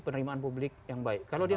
penerimaan publik yang baik kalau dia